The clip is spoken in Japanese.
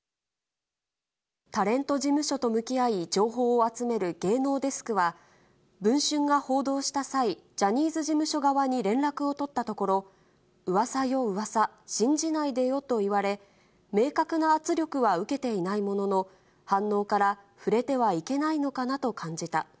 タレント事務所と向き合い、情報を集める芸能デスクは、文春が報道した際、ジャニーズ事務所側に連絡を取ったところ、うわさようわさ、信じないでよと言われ、明確な圧力は受けていないものの、反応から触れてはいけないのかなと感じた。